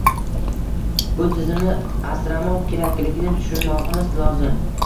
bu tizimni asramoq kerakligini tushunmog‘imiz lozim.